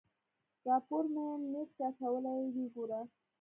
راپور مې نېټ کې اچولی ويې ګوره.